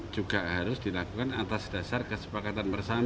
juga harus dilakukan atas dasar kesepakatan bersama